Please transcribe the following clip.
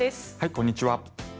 こんにちは。